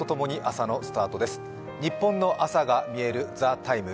日本の朝が見える、「ＴＨＥＴＩＭＥ，」